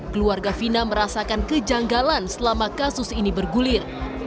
keluarga fina merasakan kejanggalan selama kasus ini bergulir